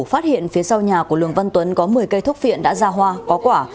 phát hiện phía sau nhà của lường văn tuấn có một mươi cây thuốc phiện đã ra hoa có quả